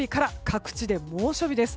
各地で猛暑日です。